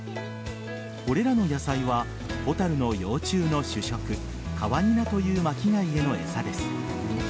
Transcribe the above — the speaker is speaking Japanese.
これらの野菜はホタルの幼虫の主食カワニナという巻き貝への餌です。